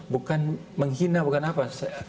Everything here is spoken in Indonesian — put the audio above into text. bukan menghina bukan apa